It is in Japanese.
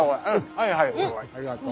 はいはいありがとう。